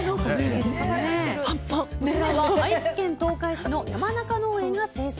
こちらは愛知県東海市の山中農園が生産。